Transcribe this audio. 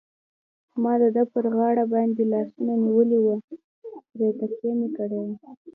ما د ده پر غاړه باندې لاسونه نیولي وو، پرې تکیه مې کړې وه.